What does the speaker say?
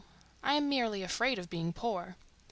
I am merely afraid of being poor.